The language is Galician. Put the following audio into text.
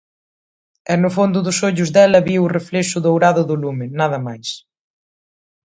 E no fondo dos ollos dela viu o reflexo dourado do lume, nada máis.